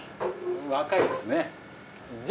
若いですね。